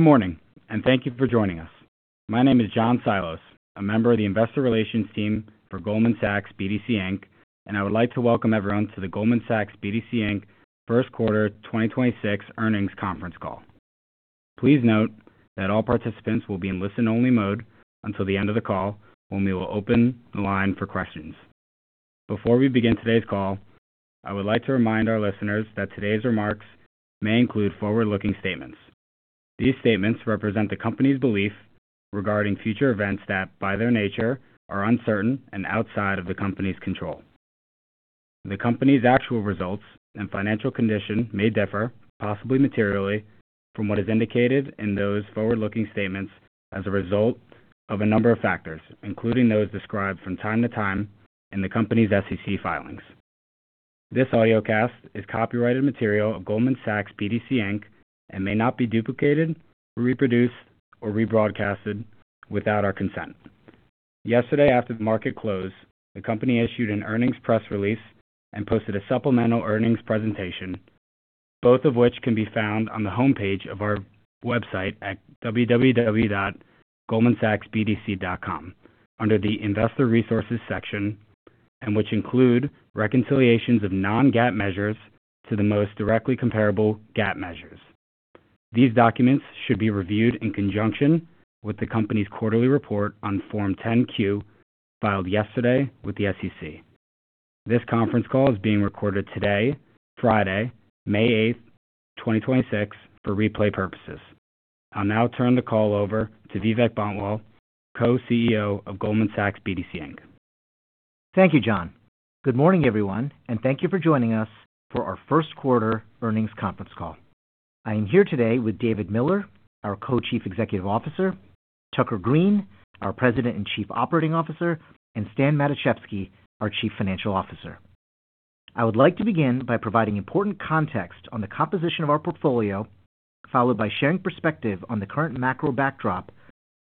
Morning, and thank you for joining us. My name is John Silas, a Member of the Investor Relations team for Goldman Sachs BDC, Inc., and I would like to welcome everyone to the Goldman Sachs BDC, Inc. First quarter 2026 earnings conference call. Please note that all participants will be in listen-only mode until the end of the call when we will open the line for questions. Before we begin today's call, I would like to remind our listeners that today's remarks may include forward-looking statements. These statements represent the company's belief regarding future events that, by their nature, are uncertain and outside of the company's control. The company's actual results and financial condition may differ, possibly materially, from what is indicated in those forward-looking statements as a result of a number of factors, including those described from time to time in the company's SEC filings. This audiocast is copyrighted material of Goldman Sachs BDC, Inc. And may not be duplicated, reproduced, or rebroadcasted without our consent. Yesterday, after the market closed, the company issued an earnings press release and posted a supplemental earnings presentation, both of which can be found on the homepage of our website at www.goldmansachsbdc.com under the Investor Resources section, and which include reconciliations of non-GAAP measures to the most directly comparable GAAP measures. These documents should be reviewed in conjunction with the company's quarterly report on Form 10-Q filed yesterday with the SEC. This conference call is being recorded today, Friday, May 8th, 2026, for replay purposes. I'll now turn the call over to Vivek Bantwal, Co-CEO of Goldman Sachs BDC, Inc. Thank you, John. Good morning, everyone, and thank you for joining us for our first quarter earnings conference call. I am here today with David Miller, our Co-Chief Executive Officer, Tucker Greene, our President and Chief Operating Officer, and Stanley Matuszewski, our Chief Financial Officer. I would like to begin by providing important context on the composition of our portfolio, followed by sharing perspective on the current macro backdrop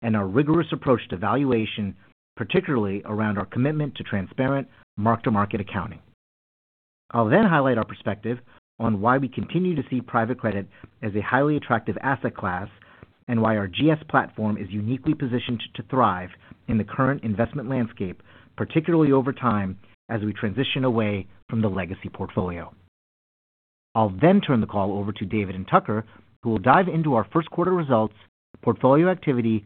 and our rigorous approach to valuation, particularly around our commitment to transparent mark-to-market accounting. I'll then highlight our perspective on why we continue to see private credit as a highly attractive asset class, and why our GS platform is uniquely positioned to thrive in the current investment landscape, particularly over time as we transition away from the legacy portfolio. I'll then turn the call over to David and Tucker, who will dive into our first quarter results, portfolio activity,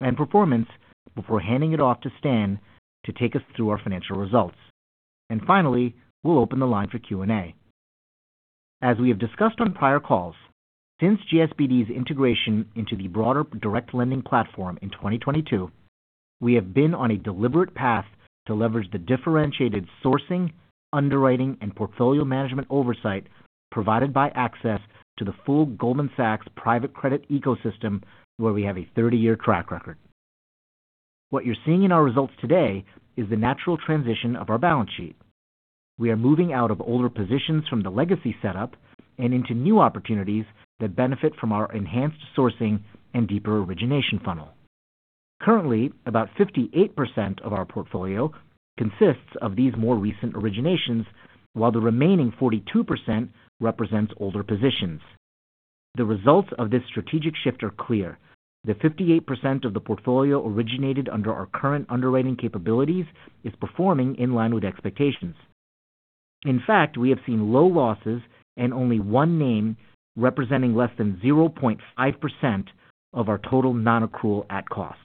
and performance before handing it off to Stan to take us through our financial results. Finally, we'll open the line for Q&A. As we have discussed on prior calls, since GSBD's integration into the broader direct lending platform in 2022, we have been on a deliberate path to leverage the differentiated sourcing, underwriting, and portfolio management oversight provided by access to the full Goldman Sachs private credit ecosystem, where we have a 30-year track record. What you're seeing in our results today is the natural transition of our balance sheet. We are moving out of older positions from the legacy setup and into new opportunities that benefit from our enhanced sourcing and deeper origination funnel. Currently, about 58% of our portfolio consists of these more recent originations, while the remaining 42% represents older positions. The results of this strategic shift are clear. The 58% of the portfolio originated under our current underwriting capabilities is performing in line with expectations. In fact, we have seen low losses and only one name representing less than 0.5% of our total non-accrual at cost.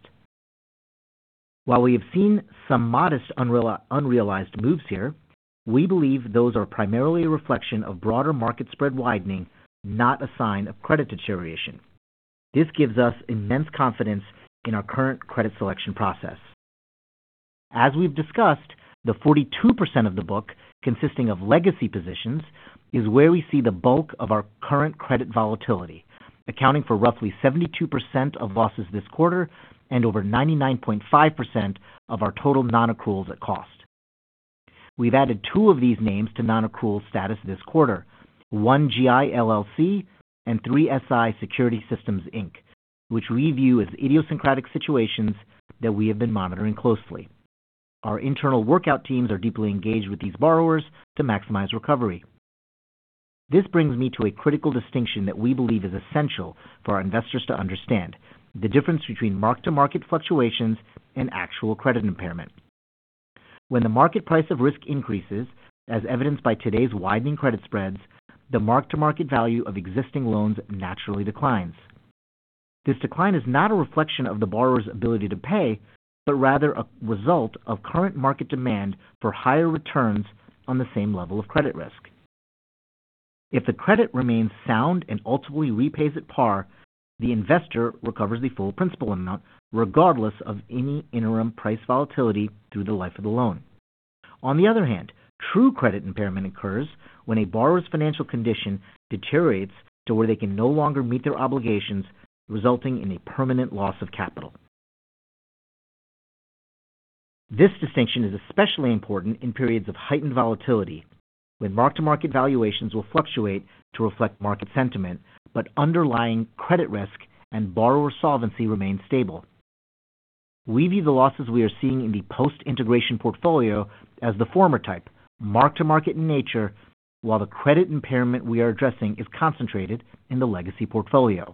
While we have seen some modest unrealized moves here, we believe those are primarily a reflection of broader market spread widening, not a sign of credit deterioration. This gives us immense confidence in our current credit selection process. As we've discussed, the 42% of the book consisting of legacy positions is where we see the bulk of our current credit volatility, accounting for roughly 72% of losses this quarter and over 99.5% of our total non-accruals at cost. We've added two of these names to non-accrual status this quarter: One GI LLC and 3SI Security Systems Inc, which we view as idiosyncratic situations that we have been monitoring closely. Our internal workout teams are deeply engaged with these borrowers to maximize recovery. This brings me to a critical distinction that we believe is essential for our investors to understand: the difference between mark-to-market fluctuations and actual credit impairment. When the market price of risk increases, as evidenced by today's widening credit spreads, the mark-to-market value of existing loans naturally declines. This decline is not a reflection of the borrower's ability to pay, but rather a result of current market demand for higher returns on the same level of credit risk. If the credit remains sound and ultimately repays at par, the investor recovers the full principal amount regardless of any interim price volatility through the life of the loan. On the other hand, true credit impairment occurs when a borrower's financial condition deteriorates to where they can no longer meet their obligations, resulting in a permanent loss of capital. This distinction is especially important in periods of heightened volatility, when mark-to-market valuations will fluctuate to reflect market sentiment, but underlying credit risk and borrower solvency remain stable. We view the losses we are seeing in the post-integration portfolio as the former type, mark-to-market in nature, while the credit impairment we are addressing is concentrated in the legacy portfolio.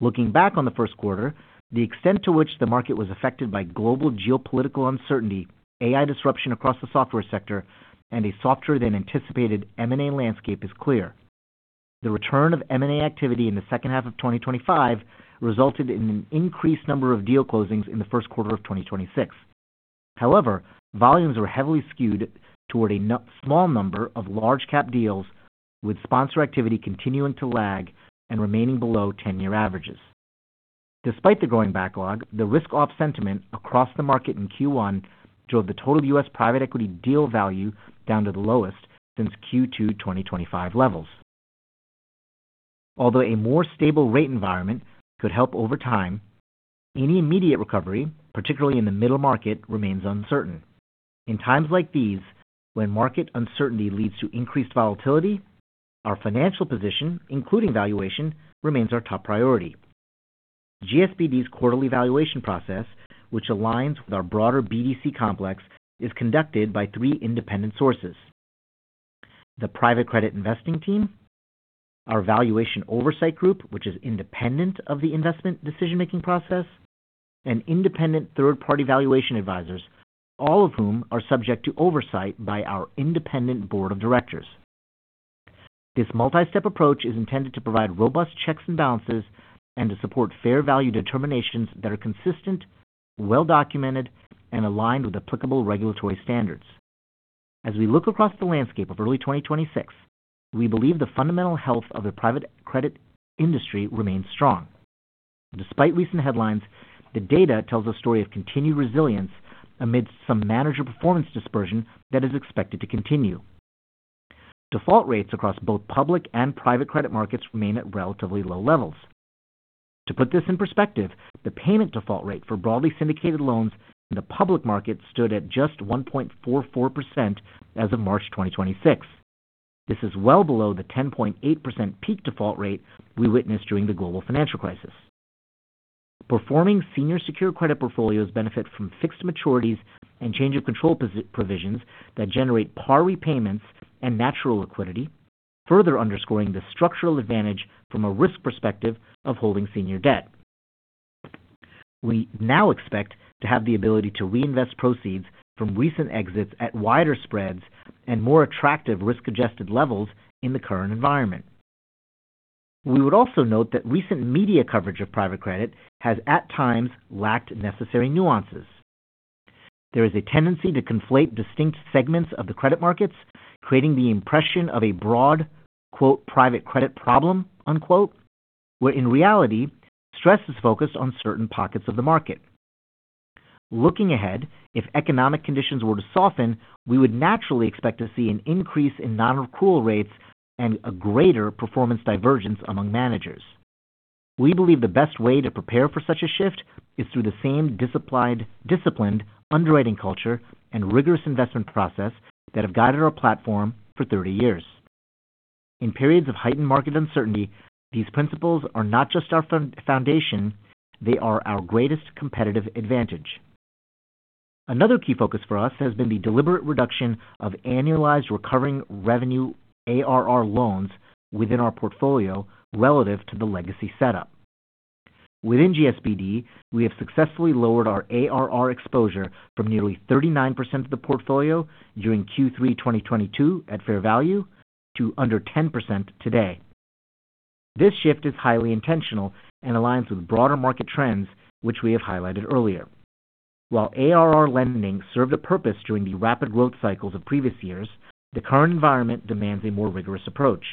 Looking back on the first quarter, the extent to which the market was affected by global geopolitical uncertainty, AI disruption across the software sector, and a softer-than-anticipated M&A landscape is clear. The return of M&A activity in the second half of 2025 resulted in an increased number of deal closings in the first quarter of 2026. Volumes were heavily skewed toward a small number of large cap deals, with sponsor activity continuing to lag and remaining below 10-year averages. Despite the growing backlog, the risk-off sentiment across the market in Q1 drove the total U.S. private equity deal value down to the lowest since Q2 2025 levels. A more stable rate environment could help over time, any immediate recovery, particularly in the middle market, remains uncertain. In times like these, when market uncertainty leads to increased volatility, our financial position, including valuation, remains our top priority. GSBD's quarterly valuation process, which aligns with our broader BDC complex, is conducted by three independent sources: the private credit investing team, our valuation oversight group, which is independent of the investment decision-making process, and independent third-party valuation advisors, all of whom are subject to oversight by our Independent Board of Directors. This multi-step approach is intended to provide robust checks and balances and to support fair value determinations that are consistent, well-documented, and aligned with applicable regulatory standards. As we look across the landscape of early 2026, we believe the fundamental health of the private credit industry remains strong. Despite recent headlines, the data tells a story of continued resilience amidst some manager performance dispersion that is expected to continue. Default rates across both public and private credit markets remain at relatively low levels. To put this in perspective, the payment default rate for broadly syndicated loans in the public market stood at just 1.44% as of March 2026. This is well below the 10.8% peak default rate we witnessed during the global financial crisis. Performing senior secured credit portfolios benefit from fixed maturities and change of control provisions that generate par repayments and natural liquidity, further underscoring the structural advantage from a risk perspective of holding senior debt. We now expect to have the ability to reinvest proceeds from recent exits at wider spreads and more attractive risk-adjusted levels in the current environment. We would also note that recent media coverage of private credit has, at times, lacked necessary nuances. There is a tendency to conflate distinct segments of the credit markets, creating the impression of a broad, quote, private credit problem, unquote, where in reality, stress is focused on certain pockets of the market. Looking ahead, if economic conditions were to soften, we would naturally expect to see an increase in non-accrual rates and a greater performance divergence among managers. We believe the best way to prepare for such a shift is through the same disciplined underwriting culture and rigorous investment process that have guided our platform for 30 years. In periods of heightened market uncertainty, these principles are not just our foundation, they are our greatest competitive advantage. Another key focus for us has been the deliberate reduction of annualized recurring revenue ARR loans within our portfolio relative to the legacy setup. Within GSBD, we have successfully lowered our ARR exposure from nearly 39% of the portfolio during Q3 2022 at fair value to under 10% today. This shift is highly intentional and aligns with broader market trends, which we have highlighted earlier. While ARR lending served a purpose during the rapid growth cycles of previous years, the current environment demands a more rigorous approach.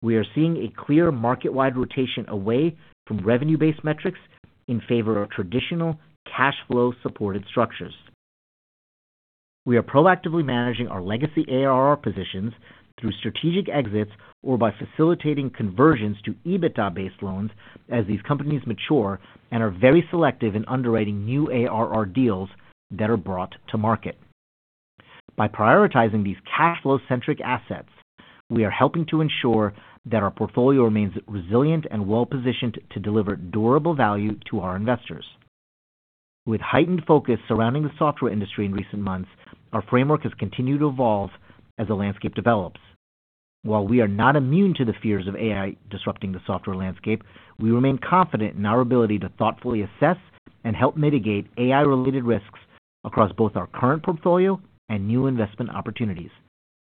We are seeing a clear market-wide rotation away from revenue-based metrics in favor of traditional cash flow-supported structures. We are proactively managing our legacy ARR positions through strategic exits or by facilitating conversions to EBITDA-based loans as these companies mature and are very selective in underwriting new ARR deals that are brought to market. By prioritizing these cash flow-centric assets, we are helping to ensure that our portfolio remains resilient and well-positioned to deliver durable value to our investors. With heightened focus surrounding the software industry in recent months, our framework has continued to evolve as the landscape develops. While we are not immune to the fears of AI disrupting the software landscape, we remain confident in our ability to thoughtfully assess and help mitigate AI-related risks across both our current portfolio and new investment opportunities.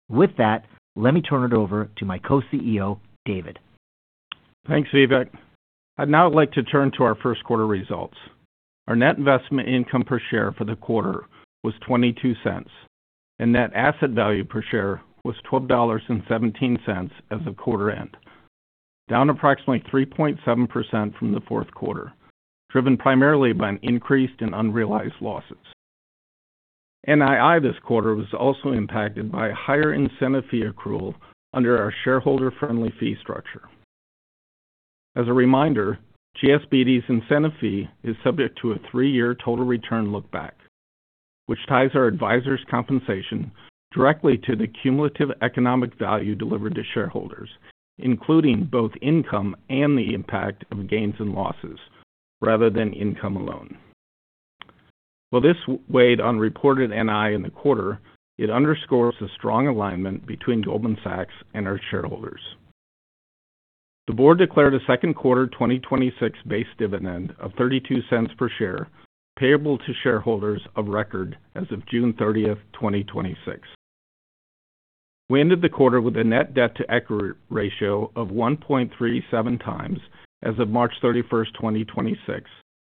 With that, let me turn it over to my Co-CEO, David. Thanks, Vivek. I'd now like to turn to our first quarter results. Our net investment income per share for the quarter was $0.22, and net asset value per share was $12.17 as of quarter end, down approximately 3.7% from the fourth quarter, driven primarily by an increase in unrealized losses. NII this quarter was also impacted by a higher incentive fee accrual under our shareholder-friendly fee structure. As a reminder, GSBD's incentive fee is subject to a three-year total return look-back, which ties our advisors' compensation directly to the cumulative economic value delivered to shareholders, including both income and the impact of gains and losses rather than income alone. While this weighed on reported NII in the quarter, it underscores the strong alignment between Goldman Sachs and our shareholders. The Board declared a second quarter 2026 base dividend of $0.32 per share, payable to shareholders of record as of June 30th, 2026. We ended the quarter with a net debt to equity ratio of 1.37x as of March 31st, 2026,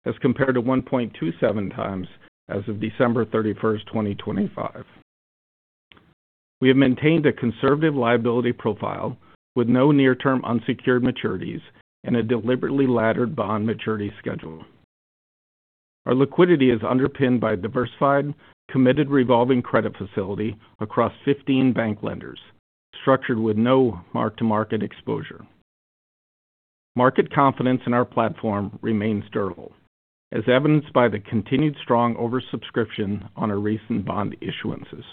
as compared to 1.27x as of December 31st, 2025. We have maintained a conservative liability profile with no near-term unsecured maturities and a deliberately laddered bond maturity schedule. Our liquidity is underpinned by a diversified, committed revolving credit facility across 15 bank lenders, structured with no mark-to-market exposure. Market confidence in our platform remains durable, as evidenced by the continued strong oversubscription on our recent bond issuances.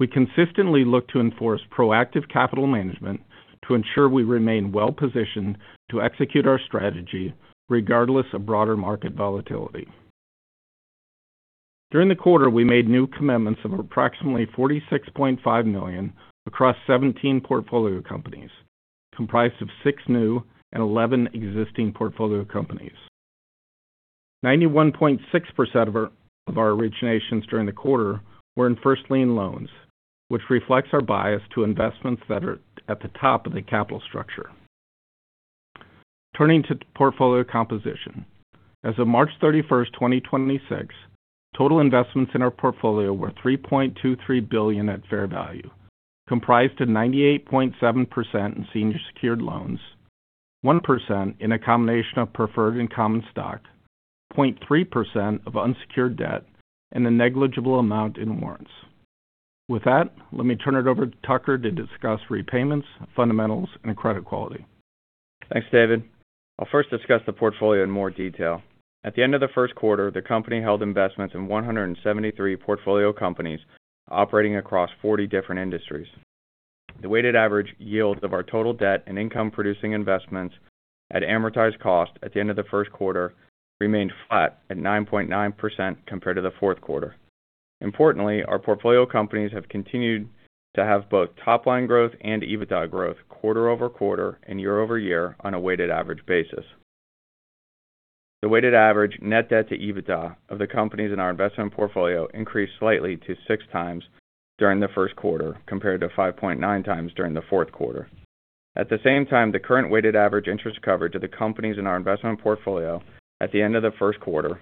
We consistently look to enforce proactive capital management to ensure we remain well-positioned to execute our strategy regardless of broader market volatility. During the quarter, we made new commitments of approximately $46.5 million across 17 portfolio companies, comprised of six new and 11 existing portfolio companies. 91.6% of our originations during the quarter were in first lien loans, which reflects our bias to investments that are at the top of the capital structure. Turning to portfolio composition. As of March 31st, 2026, total investments in our portfolio were $3.23 billion at fair value, comprised of 98.7% in senior secured loans, 1% in a combination of preferred and common stock, 0.3% of unsecured debt, and a negligible amount in warrants. With that, let me turn it over to Tucker to discuss repayments, fundamentals, and credit quality. Thanks, David. I'll first discuss the portfolio in more detail. At the end of the first quarter, the company held investments in 173 portfolio companies operating across 40 different industries. The weighted average yields of our total debt and income-producing investments at amortized cost at the end of the first quarter remained flat at 9.9% compared to the fourth quarter. Importantly, our portfolio companies have continued to have both top-line growth and EBITDA growth quarter-over-quarter and year-over-year on a weighted average basis. The weighted average net debt to EBITDA of the companies in our investment portfolio increased slightly to 6x during the first quarter, compared to 5.9x during the fourth quarter. At the same time, the current weighted average interest coverage of the companies in our investment portfolio at the end of the first quarter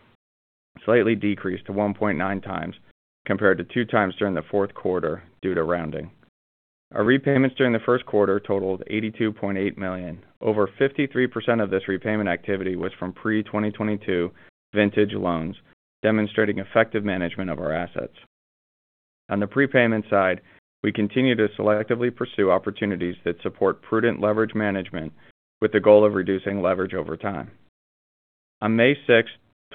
slightly decreased to 1.9x, compared to 2x during the fourth quarter due to rounding. Our repayments during the first quarter totaled $82.8 million. Over 53% of this repayment activity was from pre-2022 vintage loans, demonstrating effective management of our assets. On the prepayment side, we continue to selectively pursue opportunities that support prudent leverage management with the goal of reducing leverage over time. On May 6th,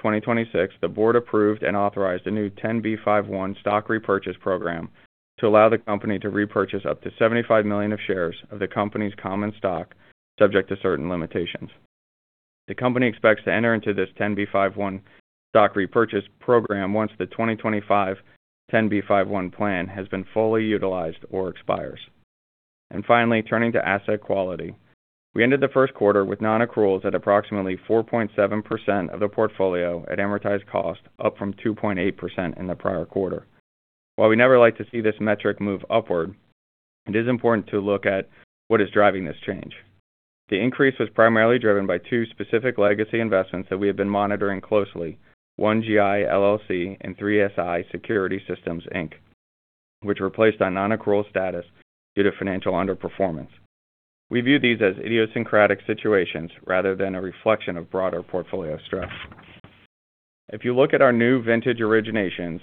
2026, the Board approved and authorized a new 10b5-1 stock repurchase program to allow the company to repurchase up to $75 million of shares of the company's common stock, subject to certain limitations. The company expects to enter into this 10b5-1 stock repurchase program once the 2025 10b5-1 plan has been fully utilized or expires. Finally, turning to asset quality. We ended the first quarter with non-accruals at approximately 4.7% of the portfolio at amortized cost, up from 2.8% in the prior quarter. While we never like to see this metric move upward, it is important to look at what is driving this change. The increase was primarily driven by two specific legacy investments that we have been monitoring closely, One GI LLC and 3SI Security Systems Inc, which were placed on non-accrual status due to financial underperformance. We view these as idiosyncratic situations rather than a reflection of broader portfolio stress. If you look at our new vintage originations,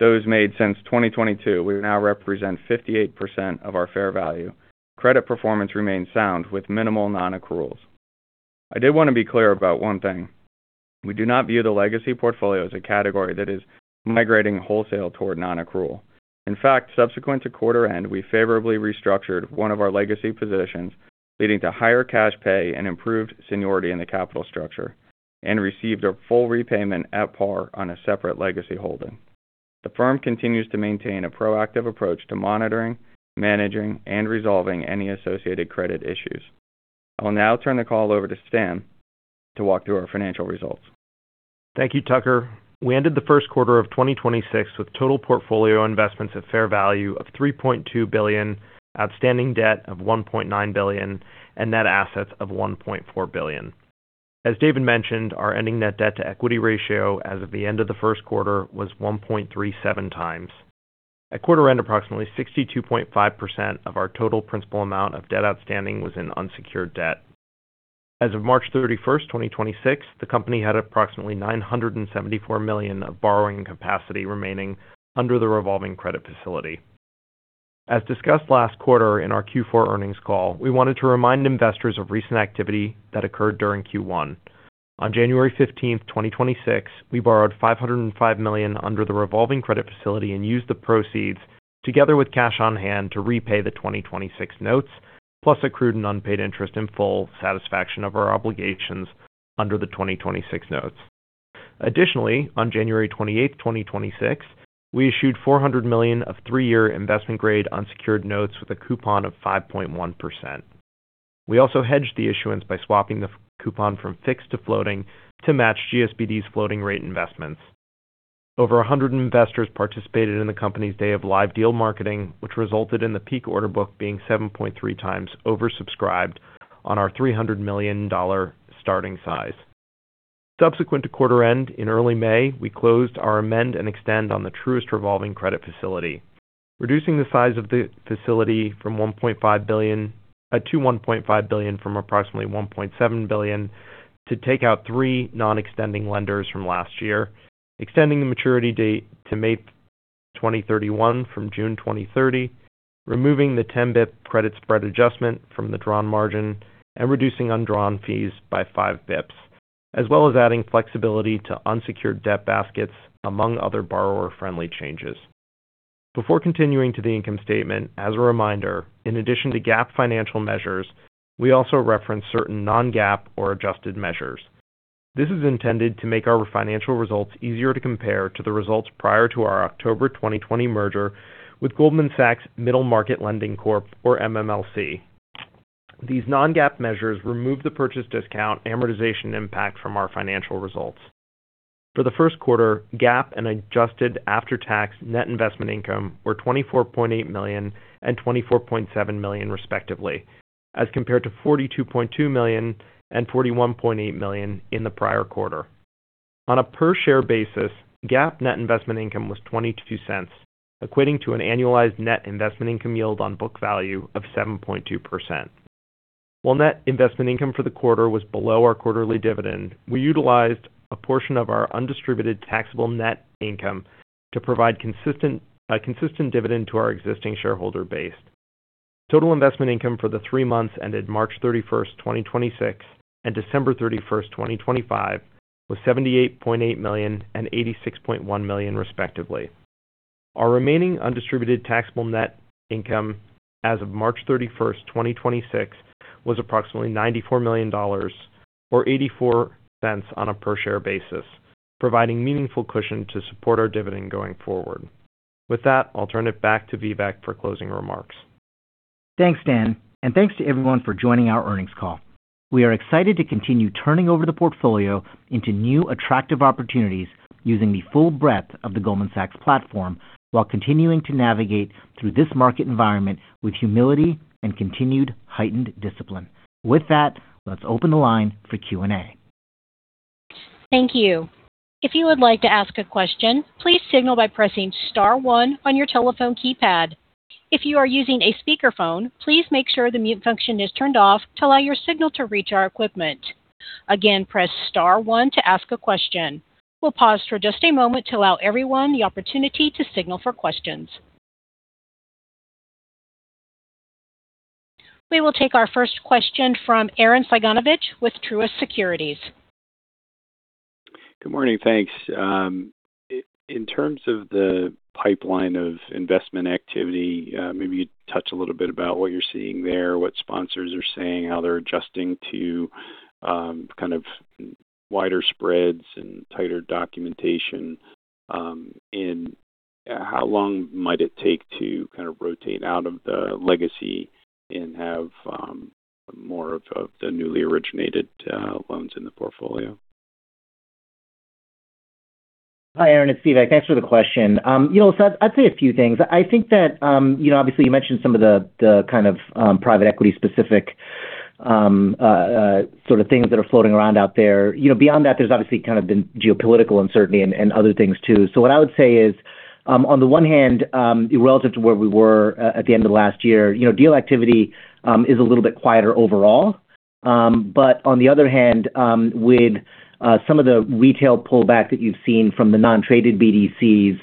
those made since 2022, we now represent 58% of our fair value. Credit performance remains sound with minimal non-accruals. I did want to be clear about one thing. We do not view the legacy portfolio as a category that is migrating wholesale toward non-accrual. In fact, subsequent to quarter end, we favorably restructured one of our legacy positions, leading to higher cash pay and improved seniority in the capital structure and received a full repayment at par on a separate legacy holding. The firm continues to maintain a proactive approach to monitoring, managing, and resolving any associated credit issues. I will now turn the call over to Stan to walk through our financial results. Thank you, Tucker. We ended the first quarter of 2026 with total portfolio investments at fair value of $3.2 billion, outstanding debt of $1.9 billion, and net assets of $1.4 billion. As David mentioned, our ending net debt to equity ratio as of the end of the first quarter was 1.37x. At quarter end, approximately 62.5% of our total principal amount of debt outstanding was in unsecured debt. As of March 31st, 2026, the company had approximately $974 million of borrowing capacity remaining under the revolving credit facility. As discussed last quarter in our Q4 earnings call, we wanted to remind investors of recent activity that occurred during Q1. On January 15th, 2026, we borrowed $505 million under the revolving credit facility and used the proceeds together with cash on hand to repay the 2026 notes, plus accrued and unpaid interest in full satisfaction of our obligations under the 2026 notes. Additionally, on January 28th, 2026, we issued $400 million of three year investment grade unsecured notes with a coupon of 5.1%. We also hedged the issuance by swapping the coupon from fixed to floating to match GSBD's floating rate investments. Over 100 investors participated in the company's day of live deal marketing, which resulted in the peak order book being 7.3x oversubscribed on our $300 million starting size. Subsequent to quarter end in early May, we closed our amend and extend on the Truist revolving credit facility, reducing the size of the facility to $1.5 billion from approximately $1.7 billion to take out three non-extending lenders from last year, extending the maturity date to May 2031 from June 2030, removing the 10 basis points credit spread adjustment from the drawn margin and reducing undrawn fees by 5 basis points, as well as adding flexibility to unsecured debt baskets, among other borrower-friendly changes. Before continuing to the income statement, as a reminder, in addition to GAAP financial measures, we also reference certain non-GAAP or adjusted measures. This is intended to make our financial results easier to compare to the results prior to our October 2020 merger with Goldman Sachs Middle Market Lending Corp, or MMLC. These non-GAAP measures remove the purchase discount amortization impact from our financial results. For the first quarter, GAAP and adjusted after-tax net investment income were $24.8 million and $24.7 million, respectively, as compared to $42.2 million and $41.8 million in the prior quarter. On a per share basis, GAAP net investment income was $0.22, equating to an annualized net investment income yield on book value of 7.2%. While net investment income for the quarter was below our quarterly dividend, we utilized a portion of our undistributed taxable net income to provide consistent dividend to our existing shareholder base. Total investment income for the three months ended March 31st, 2026, and December 31st, 2025, was $78.8 million and $86.1 million, respectively. Our remaining undistributed taxable net income as of March 31st, 2026, was approximately $94 million or $0.84 on a per share basis, providing meaningful cushion to support our dividend going forward. I'll turn it back to Vivek for closing remarks. Thanks, Stan, and thanks to everyone for joining our earnings call. We are excited to continue turning over the portfolio into new attractive opportunities using the full breadth of the Goldman Sachs platform while continuing to navigate through this market environment with humility and continued heightened discipline. With that, let's open the line for Q&A. Thank you. If you would like to ask a question, please signal by pressing star one on your telephone keypad. If you are using a speakerphone, please make sure the mute function is turned off to allow your signal to reach our equipment. Again, press star one to ask a question. We'll pause for just a moment to allow everyone the opportunity to signal for questions. We will take our first question from Arren Cyganovich with Truist Securities. Good morning. Thanks. In terms of the pipeline of investment activity, maybe you touch a little bit about what you're seeing there, what sponsors are saying, how they're adjusting to kind of wider spreads and tighter documentation, and how long might it take to kind of rotate out of the legacy and have more of the newly originated loans in the portfolio? Hi, Arren, it's Vivek. Thanks for the question. You know, I'd say a few things. I think that, you know, obviously, you mentioned some of the kind of, private equity specific, sort of things that are floating around out there. You know, beyond that, there's obviously kind of been geopolitical uncertainty and other things too. What I would say is, on the one hand, relative to where we were, at the end of last year, you know, deal activity, is a little bit quieter overall. On the other hand, with some of the retail pullback that you've seen from the non-traded BDCs,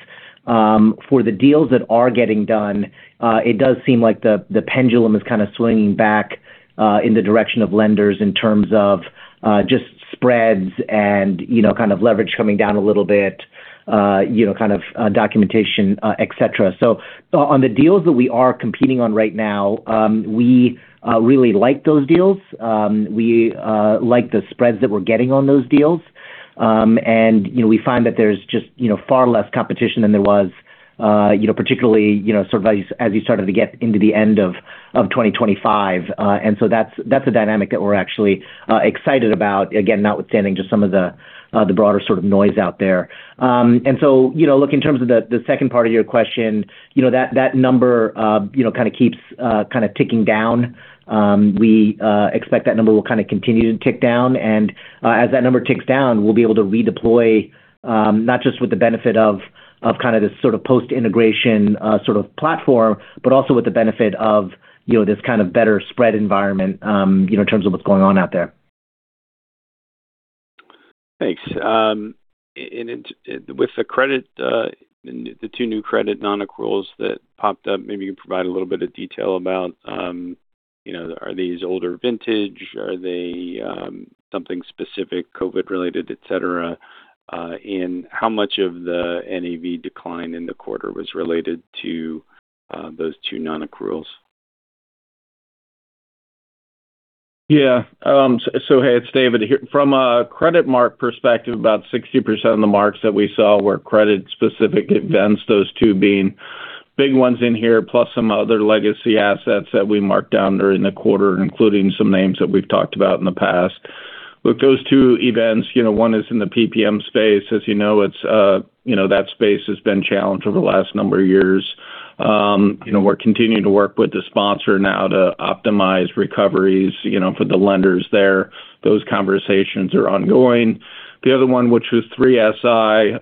for the deals that are getting done, it does seem like the pendulum is kind of swinging back in the direction of lenders in terms of just spreads and, you know, kind of leverage coming down a little bit, you know, kind of documentation, etc. On the deals that we are competing on right now, we really like those deals. We like the spreads that we're getting on those deals. You know, we find that there's just, you know, far less competition than there was, you know, particularly, you know, sort of as you, as you started to get into the end of 2025. That's, that's a dynamic that we're actually excited about, again, notwithstanding just some of the broader sort of noise out there. You know, look, in terms of the second part of your question, you know, that number, you know, kind of keeps kind of ticking down. We expect that number will kind of continue to tick down. As that number ticks down, we'll be able to redeploy, not just with the benefit of kind of this sort of post-integration sort of platform, but also with the benefit of, you know, this kind of better spread environment, you know, in terms of what's going on out there. Thanks. With the credit, the two new credit nonaccruals that popped up, maybe you can provide a little bit of detail about, you know, are these older vintage? Are they, something specific COVID related, etc? How much of the NAV decline in the quarter was related to those two nonaccruals? Hey, it's David here. From a credit mark perspective, about 60% of the marks that we saw were credit-specific events, those two being big ones in here, plus some other legacy assets that we marked down during the quarter, including some names that we've talked about in the past. With those two events, you know, one is in the PPM space. As you know, it's, you know, that space has been challenged over the last number of years. You know, we're continuing to work with the sponsor now to optimize recoveries, you know, for the lenders there. Those conversations are ongoing. The other one, which was 3SI,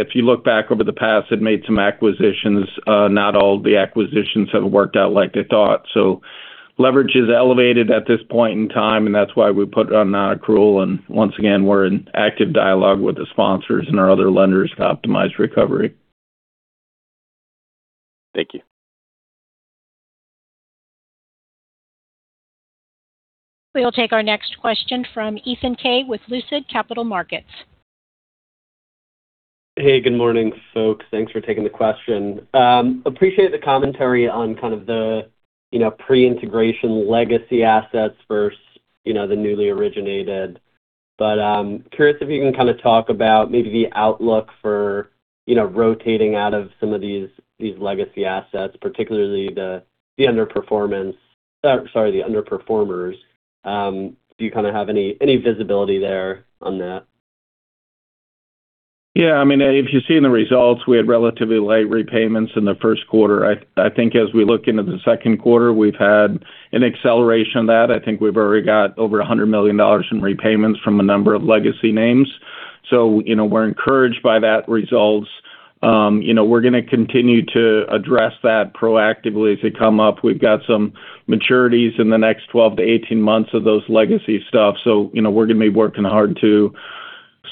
if you look back over the past, they've made some acquisitions. Not all the acquisitions have worked out like they thought. Leverage is elevated at this point in time, and that's why we put a nonaccrual. Once again, we're in active dialogue with the sponsors and our other lenders to optimize recovery. Thank you. We will take our next question from Ethan Kaye with Lucid Capital Markets. Hey, good morning, folks. Thanks for taking the question. Appreciate the commentary on kind of the, you know, pre-integration legacy assets versus, you know, the newly originated. Curious if you can kind of talk about maybe the outlook for, you know, rotating out of some of these legacy assets, particularly the underperformers. Do you kind of have any visibility there on that? Yeah. I mean, if you've seen the results, we had relatively light repayments in the first quarter. I think as we look into the second quarter, we've had an acceleration of that. I think we've already got over $100 million in repayments from a number of legacy names. You know, we're encouraged by that results. You know, we're gonna continue to address that proactively as they come up. We've got some maturities in the next 12-18 months of those legacy stuff. You know, we're gonna be working hard to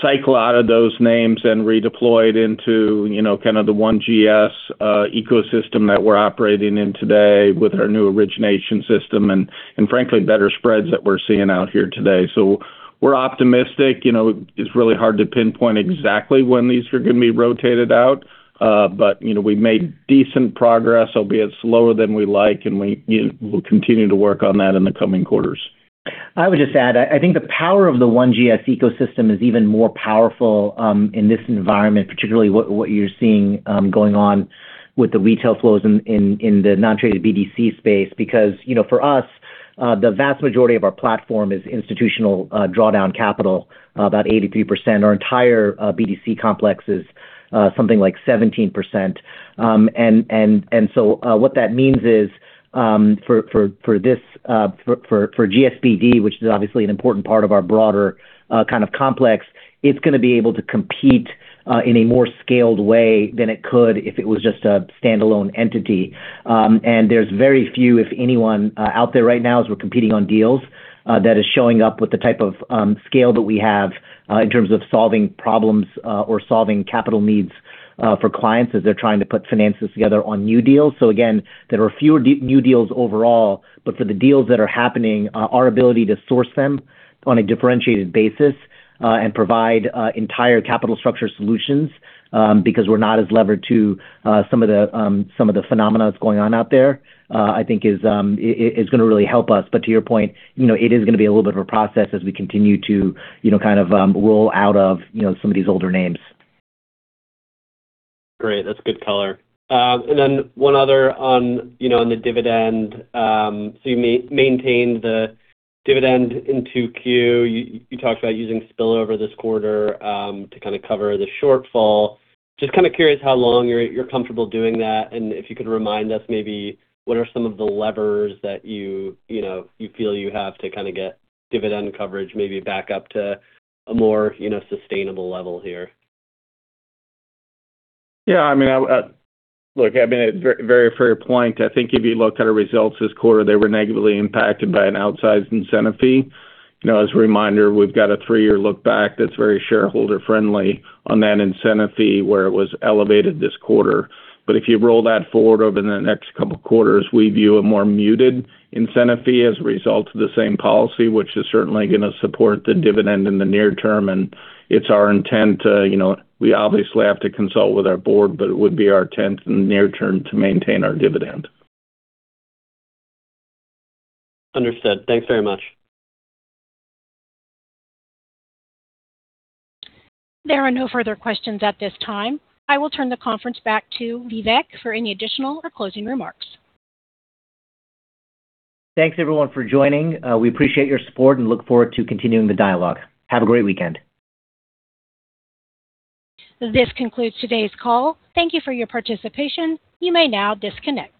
cycle out of those names and redeploy it into, you know, kind of the One GS ecosystem that we're operating in today with our new origination system and frankly, better spreads that we're seeing out here today. We're optimistic. You know, it's really hard to pinpoint exactly when these are going to be rotated out. You know, we've made decent progress, albeit slower than we like, and we, you know, we'll continue to work on that in the coming quarters. I would just add, I think the power of the One GS ecosystem is even more powerful in this environment, particularly what you're seeing going on with the retail flows in the non-traded BDC space. Because, you know, for us, the vast majority of our platform is institutional drawdown capital, about 83%. Our entire BDC complex is something like 17%. What that means is for this for GSBD, which is obviously an important part of our broader kind of complex, it's gonna be able to compete in a more scaled way than it could if it was just a standalone entity. There's very few, if anyone, out there right now, as we're competing on deals, that is showing up with the type of scale that we have in terms of solving problems or solving capital needs for clients as they're trying to put finances together on new deals. Again, there are fewer new deals overall, but for the deals that are happening, our ability to source them on a differentiated basis and provide entire capital structure solutions, because we're not as levered to some of the some of the phenomena that's going on out there, I think is gonna really help us. To your point, you know, it is gonna be a little bit of a process as we continue to, you know, kind of, roll out of, you know, some of these older names. Great. That's good color. Then one other on, you know, on the dividend. You maintained the dividend in 2Q. You talked about using spillover this quarter, to kinda cover the shortfall. Just kinda curious how long you're comfortable doing that, and if you could remind us maybe what are some of the levers that you know, you feel you have to kinda get dividend coverage maybe back up to a more, you know, sustainable level here. I mean, I Look, I mean, a very fair point. I think if you look at our results this quarter, they were negatively impacted by an outsized incentive fee. You know, as a reminder, we've got a three year look back that's very shareholder friendly on that incentive fee where it was elevated this quarter. If you roll that forward over the next two quarters, we view a more muted incentive fee as a result of the same policy, which is certainly going to support the dividend in the near term. It's our intent to, you know, we obviously have to consult with our Board, but it would be our intent in the near term to maintain our dividend. Understood. Thanks very much. There are no further questions at this time. I will turn the conference back to Vivek for any additional or closing remarks. Thanks, everyone, for joining. We appreciate your support and look forward to continuing the dialogue. Have a great weekend. This concludes today's call. Thank you for your participation. You may now disconnect.